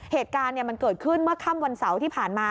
เหตุการณ์มันเกิดขึ้นเมื่อค่ำวันเสาร์ที่ผ่านมา